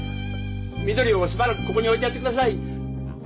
みどりをしばらくここに置いてやってください。